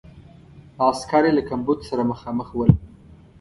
عسکر یې له کمبود سره مخامخ ول.